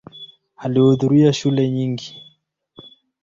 Alihudhuria shule nyingi.